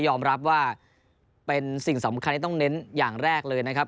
รับว่าเป็นสิ่งสำคัญที่ต้องเน้นอย่างแรกเลยนะครับ